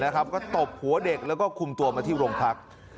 ก็ตบหัวเด็กแล้วก็คุมตัวมาที่โรงพัก